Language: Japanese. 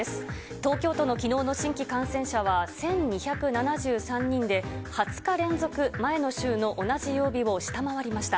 東京都のきのうの新規感染者は１２７３人で、２０日連続前の週の同じ曜日を下回りました。